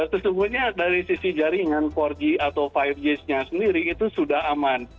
sesungguhnya dari sisi jaringan empat g atau lima g nya sendiri itu sudah aman